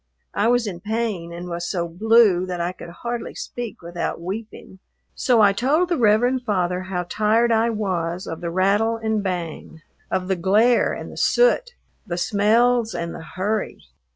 I was in pain and was so blue that I could hardly speak without weeping, so I told the Reverend Father how tired I was of the rattle and bang, of the glare and the soot, the smells and the hurry.